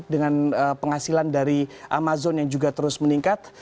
dengan penghasilan dari amazon yang juga terus meningkat